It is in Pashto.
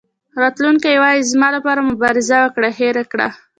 راتلونکی وایي زما لپاره مبارزه وکړه هېر کړه.